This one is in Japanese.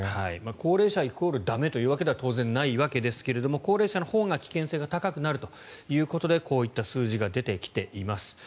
高齢者イコール駄目というわけでは当然ないわけですが高齢者のほうが危険性が高くなるということでこういった数字が出てきています。